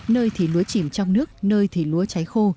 nơi thì lúa chìm trong nước nơi thì lúa cháy khô